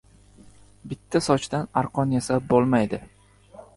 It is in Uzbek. • Bitta sochdan arqon yasab bo‘lmaydi.